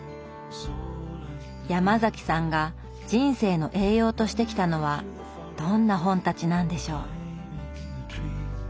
ヤマザキさんが人生の栄養としてきたのはどんな本たちなんでしょう？